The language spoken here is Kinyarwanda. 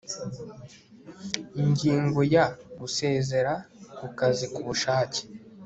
Ingingo ya Gusezera ku kazi ku bushake